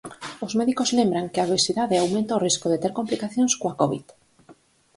Os médicos lembran que a obesidade aumenta o risco de ter complicacións coa Covid.